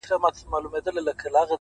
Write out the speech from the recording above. په اور دي وسوځم _ په اور مي مه سوځوه _